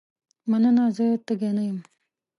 مننه زه تږې نه یم.